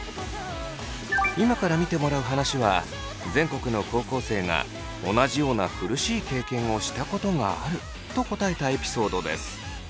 今から見てもらう話は全国の高校生が同じような苦しい経験をしたことがあると答えたエピソードです。